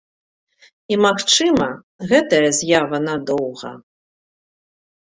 І, магчыма, гэтая з'ява надоўга.